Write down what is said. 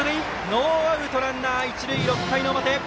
ノーアウト、ランナー、一塁６回の表。